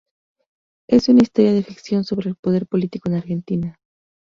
Es una historia de ficción sobre el poder político en Argentina.